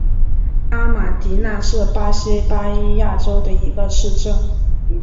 阿马迪纳是巴西巴伊亚州的一个市镇。